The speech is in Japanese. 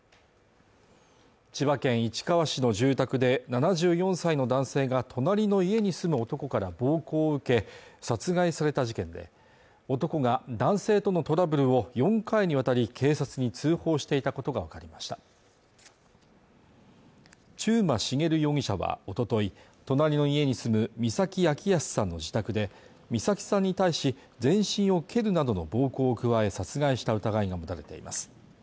千葉県市川市の住宅で７４歳の男性が隣の家に住む男から暴行を受け殺害された事件で男が男性とのトラブルを４回にわたり警察に通報していたことが分かりました中馬茂容疑者はおととい隣の家に住む美崎明保さんの自宅で美崎さんに対し全身を蹴るなどの暴行を加え殺害した疑いが持たれています